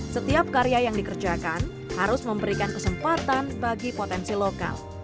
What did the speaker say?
setiap karya yang dikerjakan harus memberikan kesempatan bagi potensi lokal